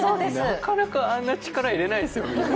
なかなかあんな力入れないですよね。